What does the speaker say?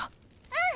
うん！